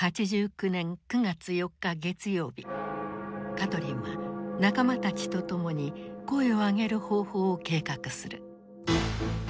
カトリンは仲間たちと共に声を上げる方法を計画する。